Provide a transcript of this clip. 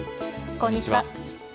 こんにちは。